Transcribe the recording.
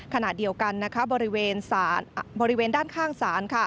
ขณะเดียวกันบริเวณด้านข้างศาล